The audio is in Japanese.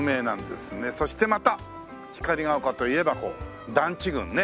そしてまた光が丘といえば団地群ね。